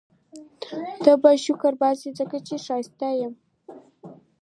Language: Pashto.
ته به شکرباسې ځکه چي ښایسته یم